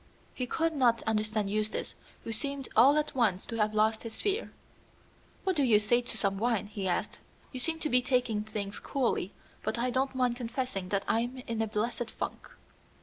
He could not understand Eustace, who seemed all at once to have lost his fear. "What do you say to some wine?" he asked. "You seem to be taking things coolly, but I don't mind confessing that I'm in a blessed funk."